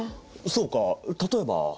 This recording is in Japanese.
そうか例えば？